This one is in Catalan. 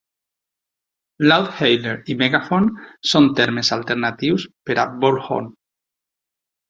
"Loudhailer" i "megaphone" són termes alternatius per a "bullhorn".